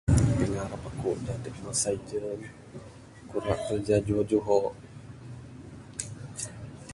noise] Pingarap akuk dadeg masa ijun, akuk ra kerja juho' juho'.